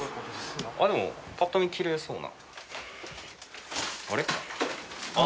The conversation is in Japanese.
でもぱっと見きれいそうな。